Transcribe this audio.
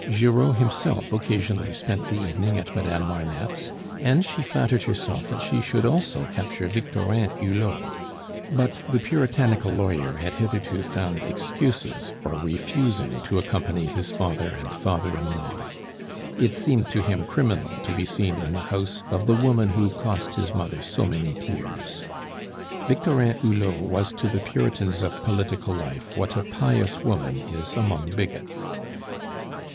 Giraud himself occasionally spent the evening at Madame Marneffe's, and she flattered herself that she should also capture Victorin Hulot; but the puritanical lawyer had hitherto found excuses for refusing to accompany his father and father in law. It seemed to him criminal to be seen in the house of the woman who cost his mother so many tears. Victorin Hulot was to the puritans of political life what a pious woman is among bigots.